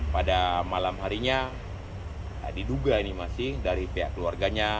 pada malam harinya diduga ini masih dari pihak keluarganya